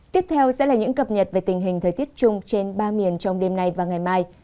tiếp theo sẽ là những cập nhật về tình hình thời tiết chung trên ba miền trong đêm nay và ngày mai